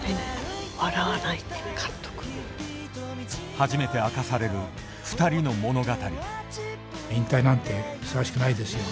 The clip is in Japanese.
初めて明かされる２人の物語。